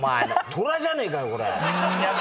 トラじゃねえかよこれ。